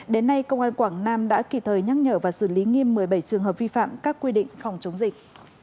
đến nay công an quảng nam đã kịp thời nhắc nhở và xử lý nghiêm một mươi bảy trường hợp vi phạm các quy định phòng chống dịch